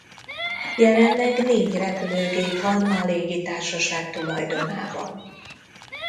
Jelenleg négy repülőgép van a légitársaság tulajdonában.